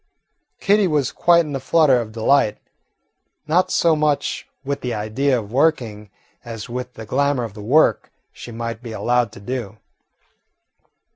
Kitty was quite in a flutter of delight; not so much with the idea of working as with the glamour of the work she might be allowed to do.